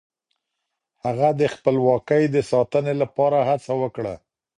هغه د خپلواکۍ د ساتنې لپاره هڅه وکړه.